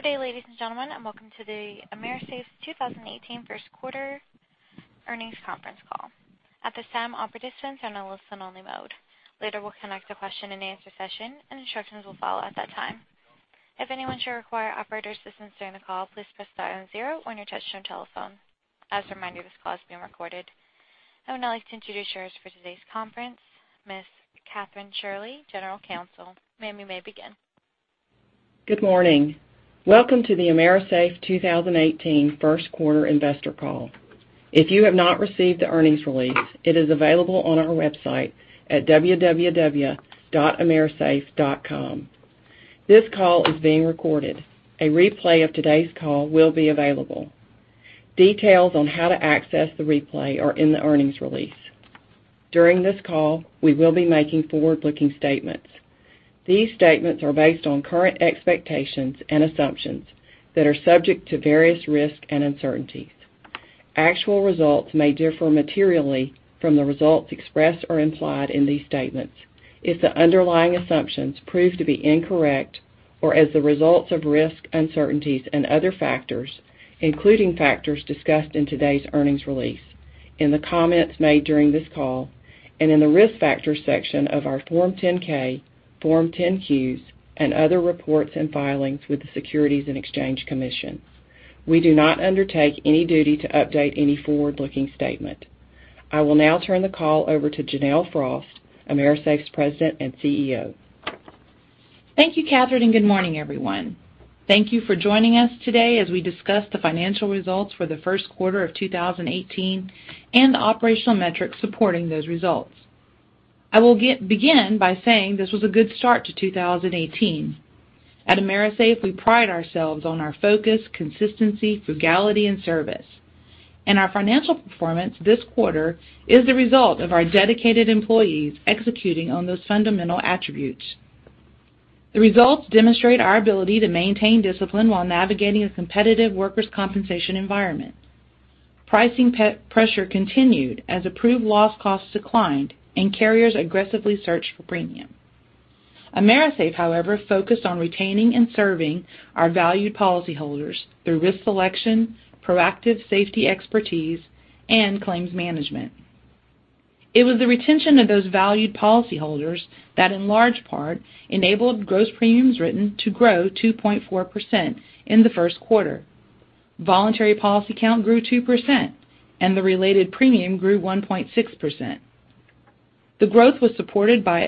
Good day, ladies and gentlemen. Welcome to the AMERISAFE 2018 first quarter earnings conference call. At this time, all participants are in a listen-only mode. Later, we'll conduct a question and answer session, and instructions will follow at that time. If anyone should require operator assistance during the call, please press star and zero on your touch-tone telephone. As a reminder, this call is being recorded. I would now like to introduce yours for today's conference, Miss Kathryn Shirley, General Counsel. Ma'am, you may begin. Good morning. Welcome to the AMERISAFE 2018 first quarter investor call. If you have not received the earnings release, it is available on our website at www.amerisafe.com. This call is being recorded. A replay of today's call will be available. Details on how to access the replay are in the earnings release. During this call, we will be making forward-looking statements. These statements are based on current expectations and assumptions that are subject to various risks and uncertainties. Actual results may differ materially from the results expressed or implied in these statements if the underlying assumptions prove to be incorrect or as a result of risks, uncertainties, and other factors, including factors discussed in today's earnings release, in the comments made during this call, and in the Risk Factors section of our Form 10-K, Form 10-Q, and other reports and filings with the Securities and Exchange Commission. We do not undertake any duty to update any forward-looking statement. I will now turn the call over to Janelle Frost, AMERISAFE's President and CEO. Thank you, Kathryn, and good morning, everyone. Thank you for joining us today as we discuss the financial results for the first quarter of 2018 and the operational metrics supporting those results. I will begin by saying this was a good start to 2018. At AMERISAFE, we pride ourselves on our focus, consistency, frugality, and service, and our financial performance this quarter is the result of our dedicated employees executing on those fundamental attributes. The results demonstrate our ability to maintain discipline while navigating a competitive workers' compensation environment. Pricing pressure continued as approved loss costs declined, and carriers aggressively searched for premium. AMERISAFE, however, focused on retaining and serving our valued policyholders through risk selection, proactive safety expertise, and claims management. It was the retention of those valued policyholders that in large part enabled gross premiums written to grow 2.4% in the first quarter. Voluntary policy count grew 2%, and the related premium grew 1.6%. The growth was supported by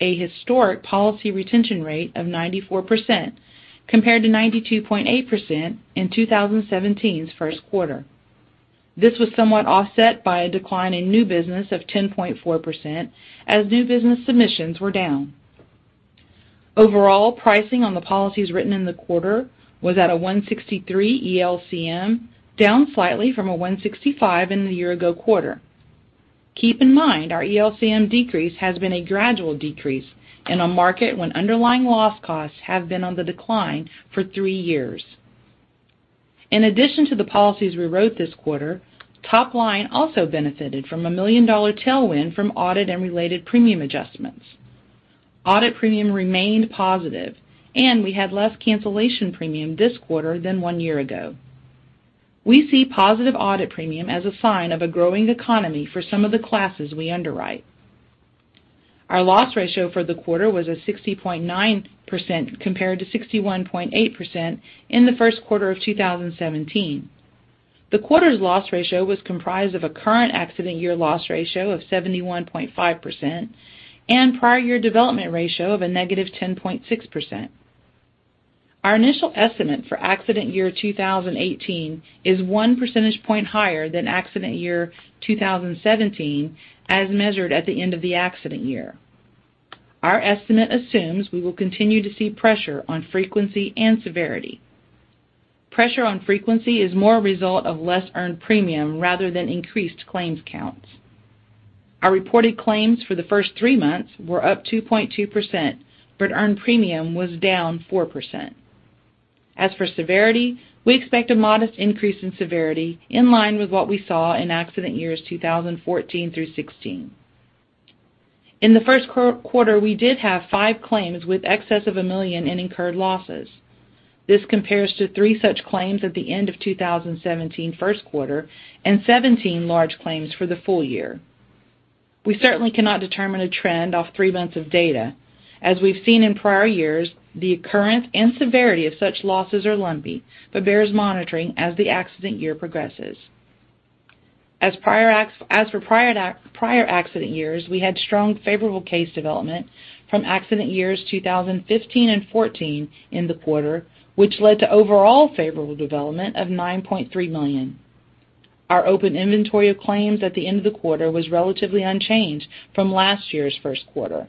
a historic policy retention rate of 94%, compared to 92.8% in 2017's first quarter. This was somewhat offset by a decline in new business of 10.4% as new business submissions were down. Overall, pricing on the policies written in the quarter was at a 163 ELCM, down slightly from a 165 in the year-ago quarter. Keep in mind our ELCM decrease has been a gradual decrease in a market when underlying loss costs have been on the decline for three years. In addition to the policies we wrote this quarter, top line also benefited from a million-dollar tailwind from audit and related premium adjustments. Audit premium remained positive, and we had less cancellation premium this quarter than one year ago. We see positive audit premium as a sign of a growing economy for some of the classes we underwrite. Our loss ratio for the quarter was at 60.9%, compared to 61.8% in the first quarter of 2017. The quarter's loss ratio was comprised of a current accident year loss ratio of 71.5% and prior year development ratio of a negative 10.6%. Our initial estimate for accident year 2018 is one percentage point higher than accident year 2017, as measured at the end of the accident year. Our estimate assumes we will continue to see pressure on frequency and severity. Pressure on frequency is more a result of less earned premium rather than increased claims counts. Our reported claims for the first three months were up 2.2%, but earned premium was down 4%. As for severity, we expect a modest increase in severity in line with what we saw in accident years 2014 through 2016. In the first quarter, we did have five claims with excess of a million in incurred losses. This compares to three such claims at the end of 2017 first quarter and 17 large claims for the full year. We certainly cannot determine a trend off three months of data. As we've seen in prior years, the occurrence and severity of such losses are lumpy but bears monitoring as the accident year progresses. As for prior accident years, we had strong favorable case development from accident years 2015 and 2014 in the quarter, which led to overall favorable development of $9.3 million. Our open inventory of claims at the end of the quarter was relatively unchanged from last year's first quarter.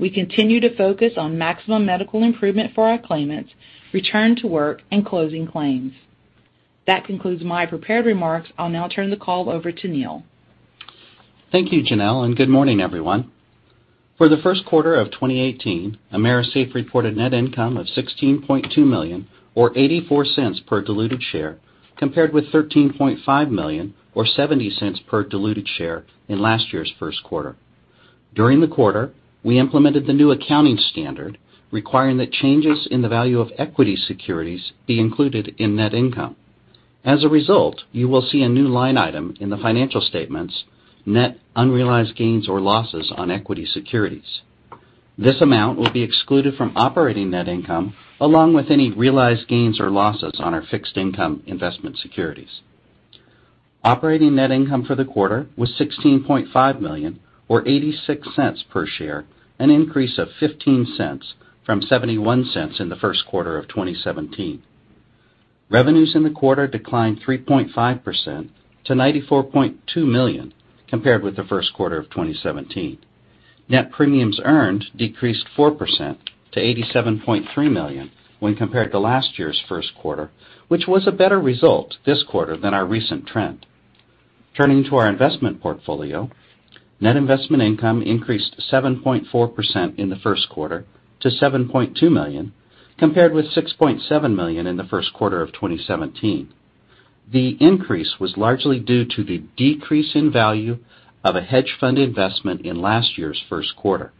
We continue to focus on maximum medical improvement for our claimants, return to work, and closing claims. That concludes my prepared remarks. I'll now turn the call over to Neal. Thank you, Janelle, and good morning, everyone. For the first quarter of 2018, AMERISAFE reported net income of $16.2 million, or $0.84 per diluted share, compared with $13.5 million, or $0.70 per diluted share, in last year's first quarter. During the quarter, we implemented the new accounting standard requiring that changes in the value of equity securities be included in net income. As a result, you will see a new line item in the financial statements, net unrealized gains or losses on equity securities. This amount will be excluded from operating net income along with any realized gains or losses on our fixed-income investment securities. Operating net income for the quarter was $16.5 million or $0.86 per share, an increase of $0.15 from $0.71 in the first quarter of 2017. Revenues in the quarter declined 3.5% to $94.2 million compared with the first quarter of 2017. Net premiums earned decreased 4% to $87.3 million when compared to last year's first quarter, which was a better result this quarter than our recent trend. Turning to our investment portfolio, net investment income increased 7.4% in the first quarter to $7.2 million, compared with $6.7 million in the first quarter of 2017. The increase was largely due to the decrease in value of a hedge fund investment in last year's first quarter.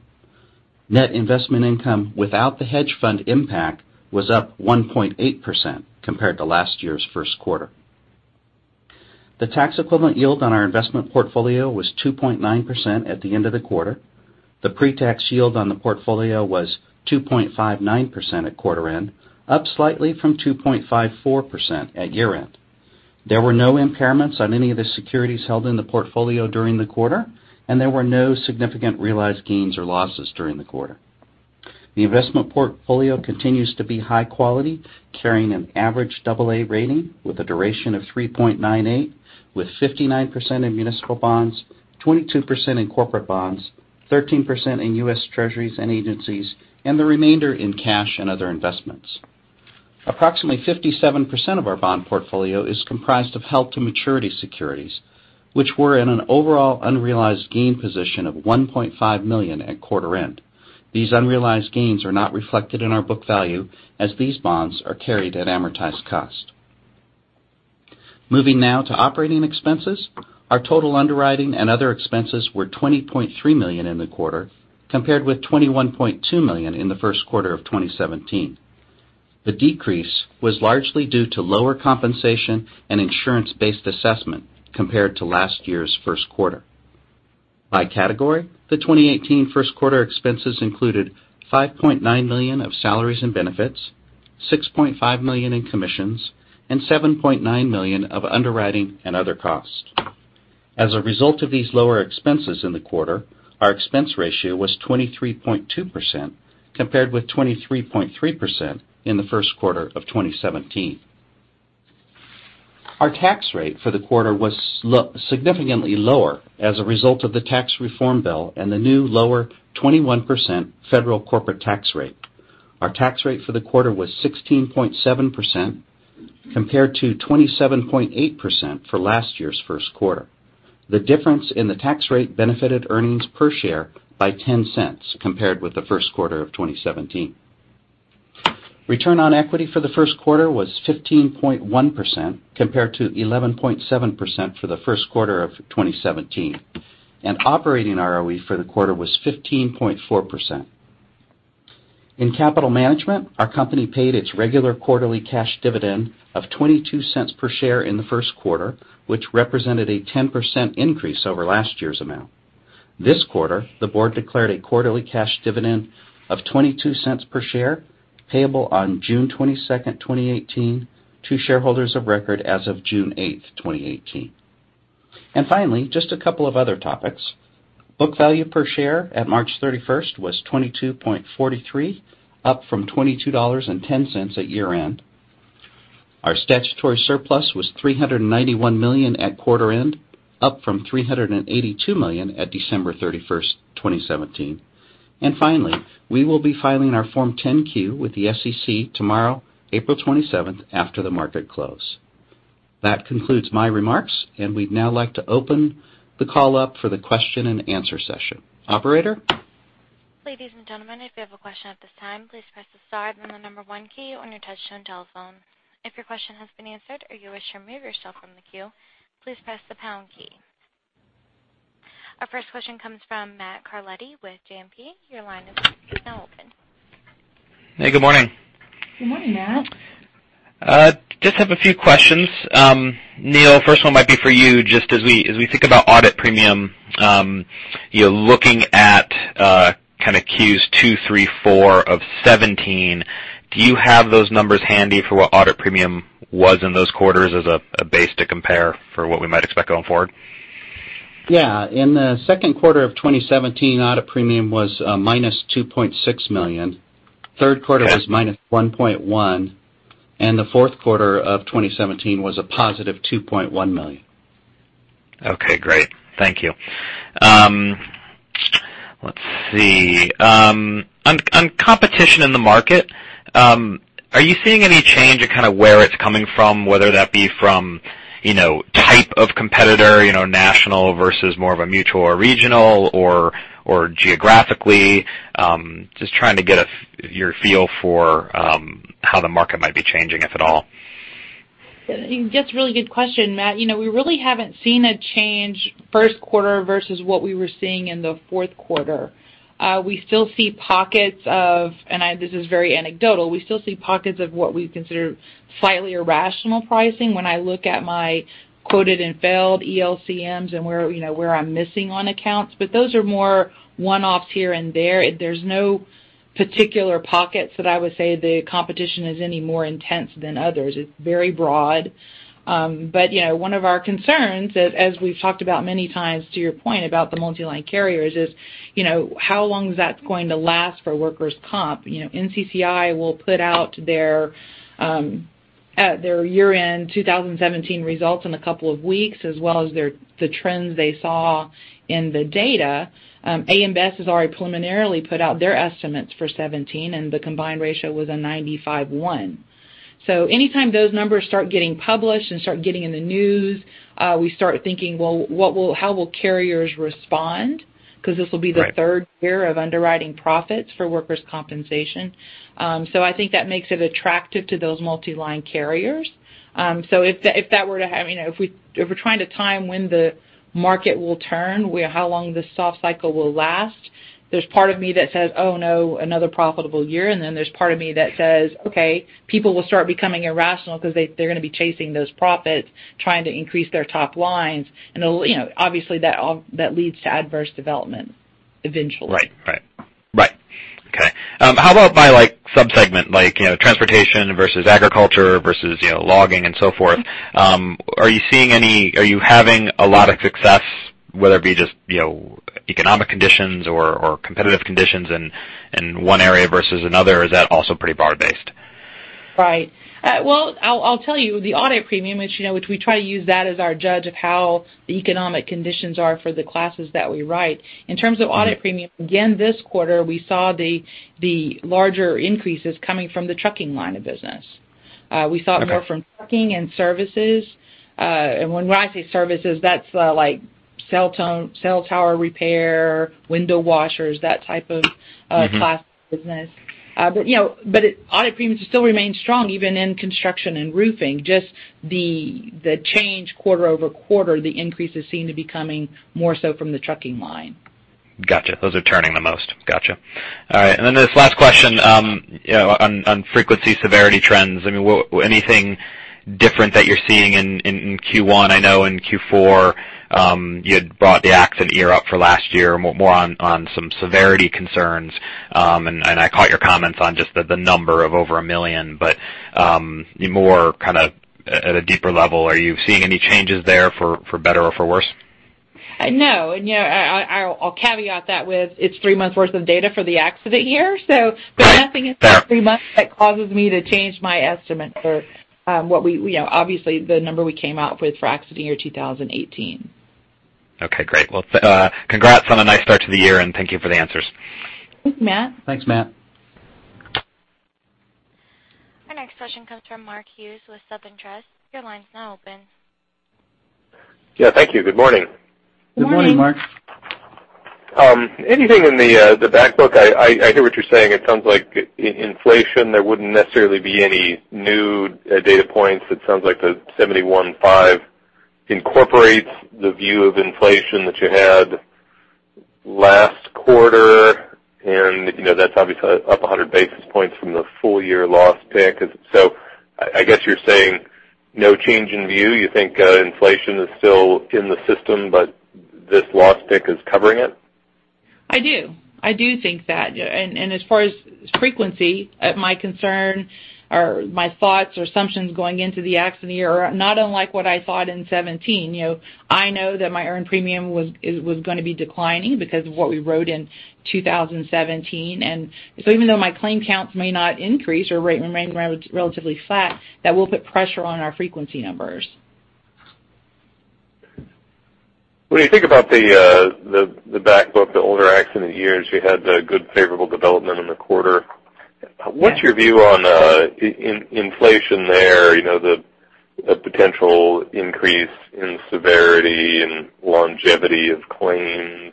Net investment income without the hedge fund impact was up 1.8% compared to last year's first quarter. The tax equivalent yield on our investment portfolio was 2.9% at the end of the quarter. The pre-tax yield on the portfolio was 2.59% at quarter end, up slightly from 2.54% at year-end. There were no impairments on any of the securities held in the portfolio during the quarter, and there were no significant realized gains or losses during the quarter. The investment portfolio continues to be high quality, carrying an average double A rating with a duration of 3.98 with 59% in municipal bonds, 22% in corporate bonds, 13% in U.S. Treasuries and agencies, and the remainder in cash and other investments. Approximately 57% of our bond portfolio is comprised of held-to-maturity securities, which were in an overall unrealized gain position of $1.5 million at quarter end. These unrealized gains are not reflected in our book value as these bonds are carried at amortized cost. Moving now to operating expenses. Our total underwriting and other expenses were $20.3 million in the quarter, compared with $21.2 million in the first quarter of 2017. The decrease was largely due to lower compensation and insurance-based assessment compared to last year's first quarter. By category, the 2018 first quarter expenses included $5.9 million of salaries and benefits, $6.5 million in commissions, and $7.9 million of underwriting and other costs. As a result of these lower expenses in the quarter, our expense ratio was 23.2%, compared with 23.3% in the first quarter of 2017. Our tax rate for the quarter was significantly lower as a result of the tax reform bill and the new lower 21% federal corporate tax rate. Our tax rate for the quarter was 16.7%, compared to 27.8% for last year's first quarter. The difference in the tax rate benefited earnings per share by $0.10 compared with the first quarter of 2017. Return on equity for the first quarter was 15.1%, compared to 11.7% for the first quarter of 2017. Operating ROE for the quarter was 15.4%. In capital management, our company paid its regular quarterly cash dividend of $0.22 per share in the first quarter, which represented a 10% increase over last year's amount. This quarter, the board declared a quarterly cash dividend of $0.22 per share, payable on June 22, 2018, to shareholders of record as of June 8, 2018. Finally, just a couple of other topics. Book value per share at March 31 was $22.43, up from $22.10 at year-end. Our statutory surplus was $391 million at quarter end, up from $382 million at December 31, 2017. Finally, we will be filing our Form 10-Q with the SEC tomorrow, April 27, after the market close. That concludes my remarks, and we'd now like to open the call up for the question and answer session. Operator? Ladies and gentlemen, if you have a question at this time, please press the star and the number 1 key on your touchtone telephone. If your question has been answered or you wish to remove yourself from the queue, please press the pound key. Our first question comes from Matthew Carletti with JMP. Your line is now open. Hey, good morning. Good morning, Matt. Just have a few questions. Neal, first one might be for you. Just as we think about audit premium, looking at Q2, Q3, Q4 of 2017, do you have those numbers handy for what audit premium was in those quarters as a base to compare for what we might expect going forward? Yeah. In the second quarter of 2017, audit premium was -$2.6 million. Third quarter- Okay was -$1.1 million, and the fourth quarter of 2017 was a positive $2.1 million. Okay, great. Thank you. Let's see. On competition in the market, are you seeing any change in where it's coming from, whether that be from type of competitor, national versus more of a mutual or regional or geographically? Just trying to get your feel for how the market might be changing, if at all. That's a really good question, Matt. We really haven't seen a change first quarter versus what we were seeing in the fourth quarter. We still see pockets of, and this is very anecdotal, we still see pockets of what we consider slightly irrational pricing when I look at my quoted and failed ELCMs and where I'm missing on accounts. Those are more one-offs here and there. There's no particular pockets that I would say the competition is any more intense than others. It's very broad. One of our concerns, as we've talked about many times, to your point, about the multi-line carriers is how long is that going to last for workers' comp? NCCI will put out their year-end 2017 results in a couple of weeks, as well as the trends they saw in the data. AM Best has already preliminarily put out their estimates for 2017, and the combined ratio was a 95.1%. Anytime those numbers start getting published and start getting in the news, we start thinking, well, how will carriers respond? Because this will be the third year of underwriting profits for workers' compensation. I think that makes it attractive to those multi-line carriers. There's part of me that says, "Oh, no, another profitable year." There's part of me that says, "Okay, people will start becoming irrational because they're going to be chasing those profits, trying to increase their top lines." Obviously that leads to adverse development eventually. Right. Okay. How about by subsegment, like transportation versus agriculture versus logging and so forth. Are you having a lot of success, whether it be just economic conditions or competitive conditions in one area versus another? Or is that also pretty broad-based? Right. Well, I'll tell you, the audit premium, which we try to use that as our judge of how the economic conditions are for the classes that we write. In terms of audit premium, again, this quarter, we saw the larger increases coming from the trucking line of business. We saw it more from trucking and services. When I say services, that's like cell tower repair, window washers, that type of class of business. Audit premiums still remain strong, even in construction and roofing. Just the change quarter-over-quarter, the increases seem to be coming more so from the trucking line. Got you. Those are turning the most. Got you. All right. This last question on frequency severity trends. Anything different that you're seeing in Q1? I know in Q4, you had brought the accident year up for last year, more on some severity concerns. I caught your comments on just the number of over $1 million, but more kind of at a deeper level. Are you seeing any changes there for better or for worse? No. I'll caveat that with, it's three months worth of data for the accident year, so there's nothing in three months that causes me to change my estimate for obviously the number we came out with for accident year 2018. Okay, great. Well, congrats on a nice start to the year, and thank you for the answers. Thanks, Matt. Thanks, Matt. Our next question comes from Mark Hughes with SunTrust. Your line's now open. Yeah, thank you. Good morning. Good morning. Good morning, Mark. Anything in the back book? I hear what you're saying. It sounds like inflation, there wouldn't necessarily be any new data points. It sounds like the 71.5 incorporates the view of inflation that you had last quarter, and that's obviously up 100 basis points from the full year loss pick. I guess you're saying no change in view. You think inflation is still in the system, but this loss pick is covering it? I do. I do think that. As far as frequency, my concern or my thoughts or assumptions going into the accident year are not unlike what I thought in 2017. I know that my earned premium was going to be declining because of what we wrote in 2017. Even though my claim counts may not increase or remain relatively flat, that will put pressure on our frequency numbers. When you think about the back book, the older accident years, you had the good favorable development in the quarter. Yes. What's your view on inflation there? The potential increase in severity and longevity of claims.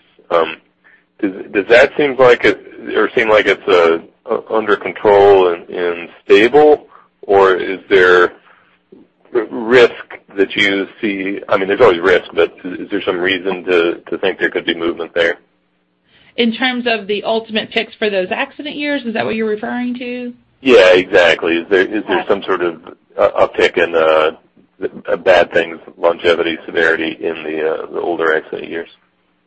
Does that seem like it's under control and stable, or is there risk that you see? There's always risk, but is there some reason to think there could be movement there? In terms of the ultimate picks for those accident years, is that what you're referring to? Yeah, exactly. Is there some sort of uptick in bad things, longevity, severity in the older accident years?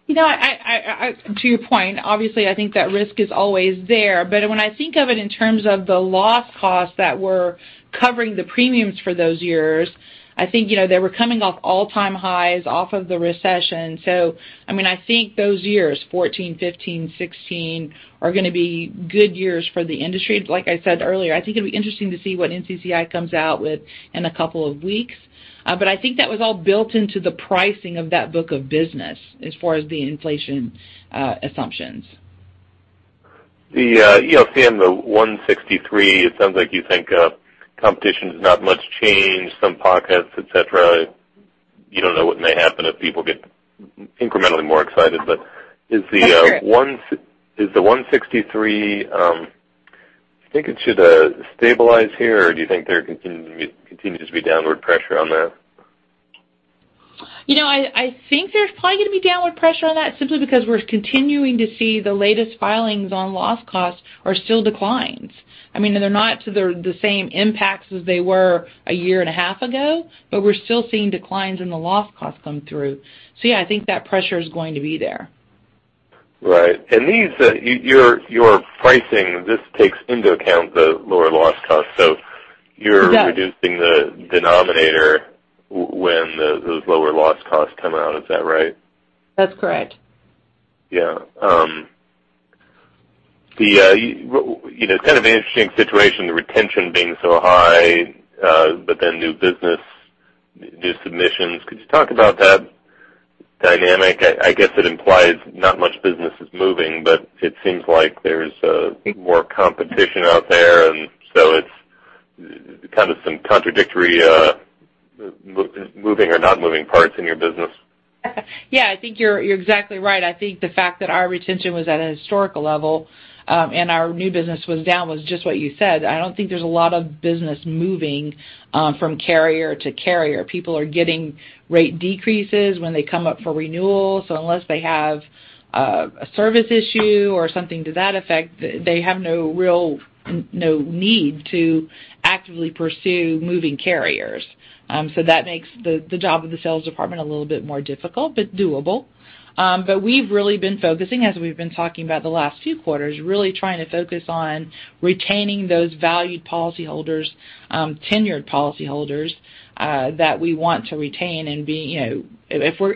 To your point, obviously, I think that risk is always there. When I think of it in terms of the loss costs that were covering the premiums for those years, I think they were coming off all-time highs off of the recession. I think those years, 2014, 2015, 2016, are going to be good years for the industry. Like I said earlier, I think it'll be interesting to see what NCCI comes out with in a couple of weeks. I think that was all built into the pricing of that book of business as far as the inflation assumptions. The ELCM, the 163, it sounds like you think competition has not much changed, some pockets, et cetera. I don't know what may happen if people get incrementally more excited. That's true is the 163, do you think it should stabilize here, or do you think there continues to be downward pressure on that? I think there's probably going to be downward pressure on that simply because we're continuing to see the latest filings on loss costs are still declines. They're not to the same impacts as they were a year and a half ago, but we're still seeing declines in the loss costs come through. Yeah, I think that pressure is going to be there. Right. Your pricing, this takes into account the lower loss cost, so you're- Yes You're reducing the denominator when those lower loss costs come out. Is that right? That's correct. Yeah. It's kind of an interesting situation, the retention being so high, but then new business submissions. Could you talk about that dynamic? I guess it implies not much business is moving, but it seems like there's more competition out there, and so it's kind of some contradictory moving or not moving parts in your business. Yeah, I think you're exactly right. I think the fact that our retention was at a historical level, and our new business was down, was just what you said. I don't think there's a lot of business moving from carrier to carrier. People are getting rate decreases when they come up for renewal. Unless they have a service issue or something to that effect, they have no need to actively pursue moving carriers. That makes the job of the sales department a little bit more difficult but doable. We've really been focusing, as we've been talking about the last few quarters, really trying to focus on retaining those valued policyholders, tenured policyholders, that we want to retain. If we're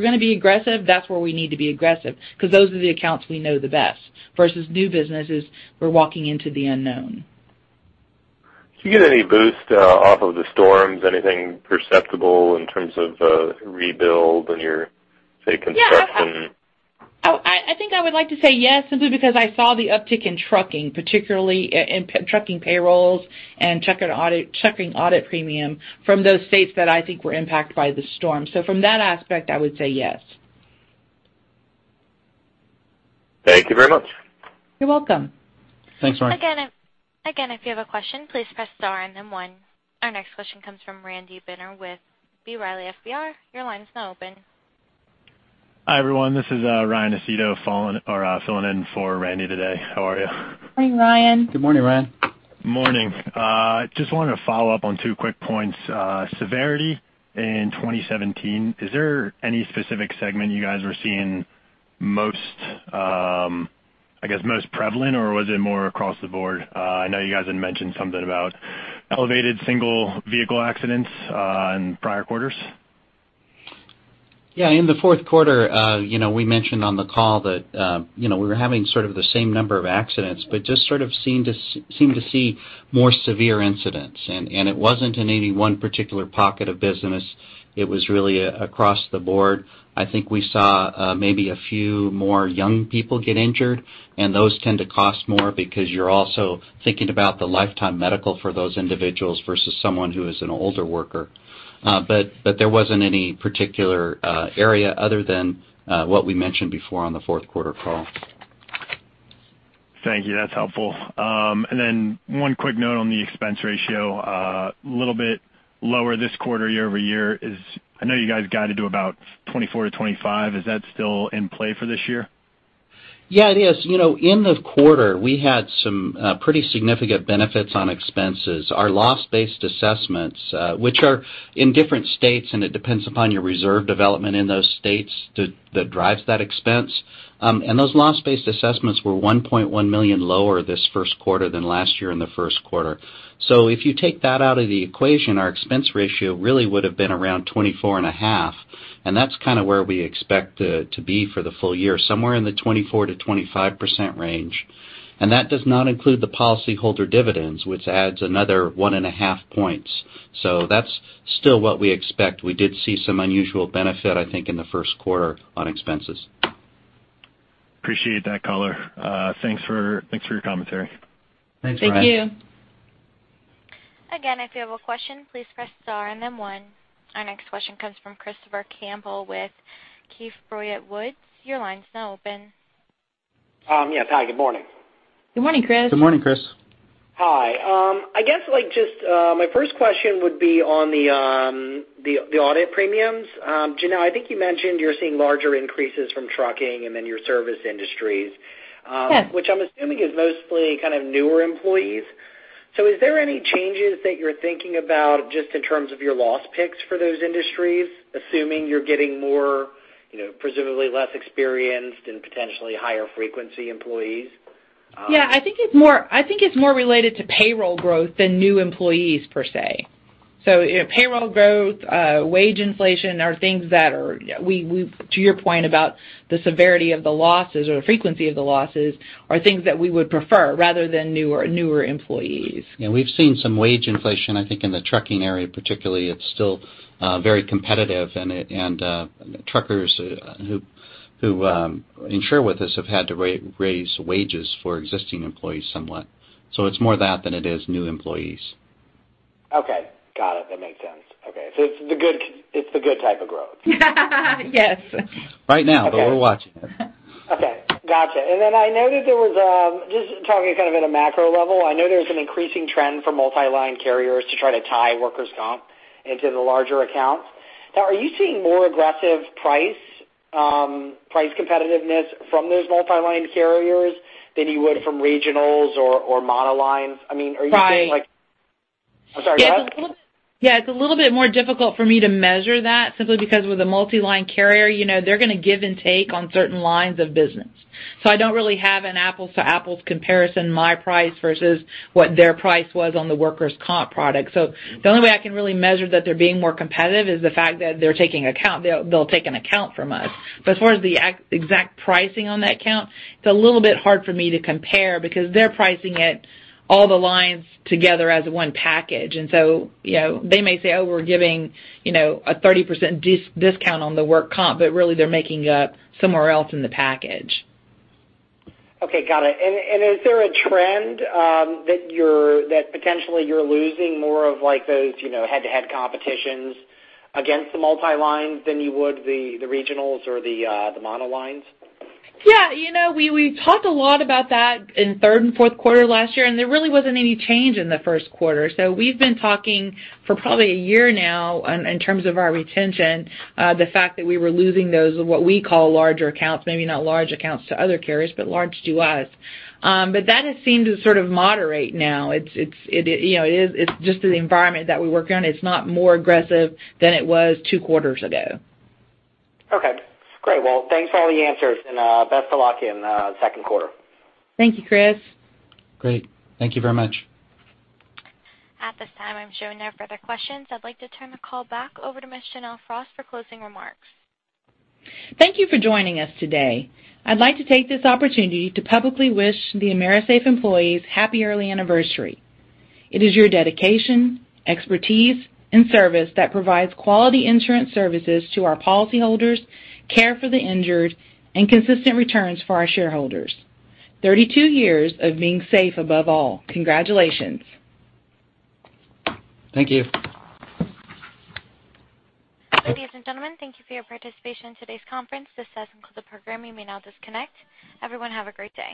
going to be aggressive, that's where we need to be aggressive because those are the accounts we know the best versus new businesses, we're walking into the unknown. Do you get any boost off of the storms, anything perceptible in terms of rebuild in your, say, construction? I think I would like to say yes, simply because I saw the uptick in trucking, particularly in trucking payrolls and trucking audit premium from those states that I think were impacted by the storm. From that aspect, I would say yes. Thank you very much. You're welcome. Thanks, Mark. Again, if you have a question, please press star and then one. Our next question comes from Randy Binner with B. Riley FBR. Your line is now open. Hi, everyone. This is Ryan Acito, filling in for Randy today. How are you? Morning, Ryan. Good morning, Ryan. Morning. Just wanted to follow up on two quick points. Severity in 2017, is there any specific segment you guys were seeing I guess most prevalent, or was it more across the board? I know you guys had mentioned something about elevated single vehicle accidents in prior quarters. Yeah. In the fourth quarter, we mentioned on the call that we were having sort of the same number of accidents, but just sort of seemed to see more severe incidents. It wasn't in any one particular pocket of business. It was really across the board. I think we saw maybe a few more young people get injured, and those tend to cost more because you're also thinking about the lifetime medical for those individuals versus someone who is an older worker. There wasn't any particular area other than what we mentioned before on the fourth quarter call. Thank you. That's helpful. One quick note on the expense ratio. Little bit lower this quarter year-over-year is, I know you guys guided to about 24%-25%. Is that still in play for this year? Yeah, it is. In the quarter, we had some pretty significant benefits on expenses. Our loss-based assessments, which are in different states, and it depends upon your reserve development in those states that drives that expense. Those loss-based assessments were $1.1 million lower this first quarter than last year in the first quarter. If you take that out of the equation, our expense ratio really would've been around 24.5%, and that's kind of where we expect to be for the full year, somewhere in the 24%-25% range. That does not include the policyholder dividends, which adds another 1.5 points. That's still what we expect. We did see some unusual benefit, I think, in the first quarter on expenses. Appreciate that color. Thanks for your commentary. Thanks, Ryan. Thank you. Again, if you have a question, please press star and then one. Our next question comes from Christopher Campbell with Keefe, Bruyette & Woods. Your line's now open. Yes. Hi, good morning. Good morning, Chris. Good morning, Chris. Hi. I guess my first question would be on the audit premiums. Janelle, I think you mentioned you're seeing larger increases from trucking and then your service industries- Yes which I'm assuming is mostly kind of newer employees. Is there any changes that you're thinking about just in terms of your loss picks for those industries, assuming you're getting presumably less experienced and potentially higher frequency employees? Yeah, I think it's more related to payroll growth than new employees per se. Payroll growth, wage inflation are things that are, to your point about the severity of the losses or the frequency of the losses, are things that we would prefer rather than newer employees. Yeah, we've seen some wage inflation, I think, in the trucking area particularly. It's still very competitive, and truckers who insure with us have had to raise wages for existing employees somewhat. It's more that than it is new employees. Okay. Got it. That makes sense. Okay. It's the good type of growth. Yes. Right now, we're watching it. Okay. Got you. I noted there was, just talking kind of at a macro level, I know there's an increasing trend for multi-line carriers to try to tie workers' comp into the larger accounts. Now, are you seeing more aggressive price competitiveness from those multi-line carriers than you would from regionals or mono lines? I mean, are you seeing Right. I'm sorry, go ahead. Yeah, it's a little bit more difficult for me to measure that simply because with a multi-line carrier, they're going to give and take on certain lines of business. I don't really have an apples-to-apples comparison, my price versus what their price was on the workers' comp product. The only way I can really measure that they're being more competitive is the fact that they'll take an account from us. As far as the exact pricing on that account, it's a little bit hard for me to compare because they're pricing it all the lines together as one package. They may say, "Oh, we're giving a 30% discount on the work comp," but really, they're making it up somewhere else in the package. Okay. Got it. Is there a trend that potentially you're losing more of those head-to-head competitions against the multi-lines than you would the regionals or the mono-lines? Yeah. We talked a lot about that in third and fourth quarter last year, there really wasn't any change in the first quarter. We've been talking for probably a year now in terms of our retention, the fact that we were losing those, what we call larger accounts, maybe not large accounts to other carriers, but large to us. That has seemed to sort of moderate now. It's just the environment that we work in. It's not more aggressive than it was two quarters ago. Okay, great. Well, thanks for all the answers, and best of luck in the second quarter. Thank you, Chris. Great. Thank you very much. At this time, I'm showing no further questions. I'd like to turn the call back over to Ms. Janelle Frost for closing remarks. Thank you for joining us today. I'd like to take this opportunity to publicly wish the AMERISAFE employees happy early anniversary. It is your dedication, expertise, and service that provides quality insurance services to our policyholders, care for the injured, and consistent returns for our shareholders. 32 years of being safe above all. Congratulations. Thank you. Ladies and gentlemen, thank you for your participation in today's conference. This does conclude the program. You may now disconnect. Everyone have a great day.